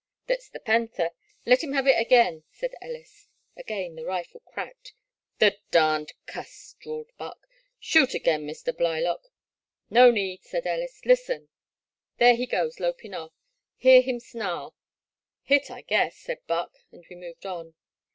" Thet 's the panther — ^let him hev it again," said Ellis. Again the rifle cracked. *' The darned cuss !" drawled Buck; " shoot again, Mr. Blylock !" No need," said EUis—" listen ! There he goes lopin' off. Hear him snarl !"Hit, I guess," said Buck, and we moved on.